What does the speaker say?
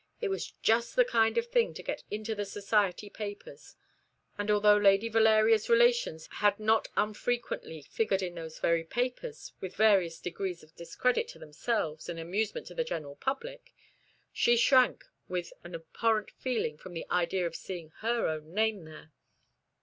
It was just the kind of thing to get into the society papers: and although Lady Valeria's relations had not unfrequently figured in those very papers, with various degrees of discredit to themselves and amusement to the general public, she shrank with an abhorrent feeling from the idea of seeing her own name there.